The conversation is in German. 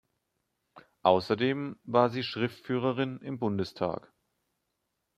Außerdem war sie Schriftführerin im Bundestag.